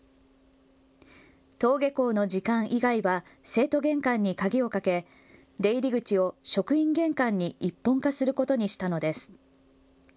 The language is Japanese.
登下校の時間以外は生徒玄関に鍵をかけ出入り口を職員玄関に一本化することにしたのです。